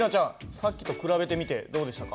さっきと比べてみてどうでしたか？